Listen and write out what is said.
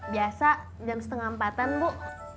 biasa jam setengah empatan bu